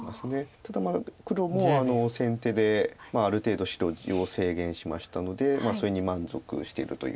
ただ黒も先手である程度白地を制限しましたのでそれに満足してるという感じですか。